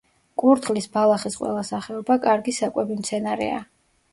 კურდღლის ბალახის ყველა სახეობა კარგი საკვები მცენარეა.